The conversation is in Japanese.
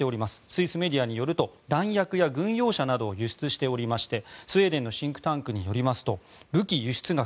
スイスメディアによると弾薬や軍用車などを輸出しておりましてスウェーデンのシンクタンクによりますと武器輸出額